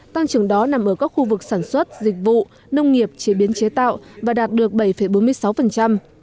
tăng trưởng đó nằm ở các khu vực sản xuất dịch vụ nông nghiệp chế biến chế tạo và đạt được bảy bốn mươi sáu